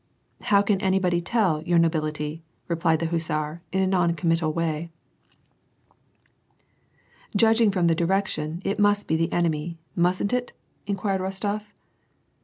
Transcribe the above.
" How can anybody tell, your nobility," replied the hussar, in a non committal way. " Judging from the direction, it must be the enemy, mustn't it ?" inquired Rostof.